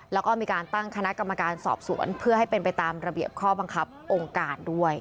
แล้วก็มีการตั้งคณะกรรมการสอบสวนเพื่อให้เป็นไปตามระเบียบข้อบังคับองค์การด้วย